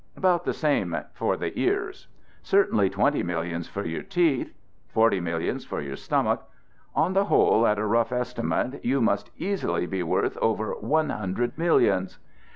About the same for the ears. Certainly twenty millions for your teeth. Forty millions for your stomach. On the whole, at a rough estimate you must easily be worth over one hundred millions.